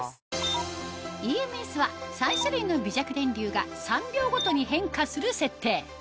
ＥＭＳは３種類の微弱電流が３秒ごとに変化する設定